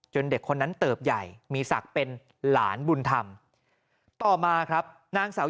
เด็กคนนั้นเติบใหญ่มีศักดิ์เป็นหลานบุญธรรมต่อมาครับนางสาว